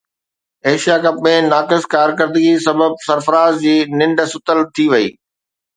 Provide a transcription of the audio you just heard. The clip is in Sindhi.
ايشيا ڪپ ۾ ناقص ڪارڪردگيءَ سبب سرفراز جي ننڊ ستل ٿي وئي